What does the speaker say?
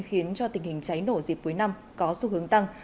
khiến cho tình hình cháy nổ dịp cuối năm có xu hướng tăng